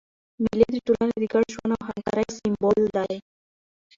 مېلې د ټولني د ګډ ژوند او همکارۍ سېمبول دي.